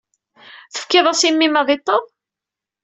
Tefkiḍ-as i mmi-m ad iṭṭeḍ?